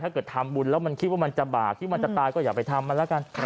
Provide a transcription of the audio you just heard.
ถ้าเกิดทำบุญแล้วมันคิดว่ามันจะบากที่มันจะตายก็อย่าไปทำมันแล้วกัน